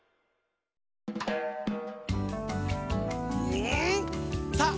うん！さあ